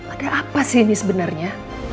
ada apa sih ini sebenarnya